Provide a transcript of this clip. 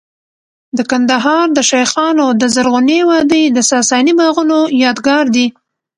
د کندهار د شیخانو د زرغونې وادۍ د ساساني باغونو یادګار دی